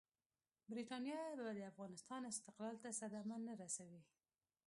برټانیه به د افغانستان استقلال ته صدمه نه رسوي.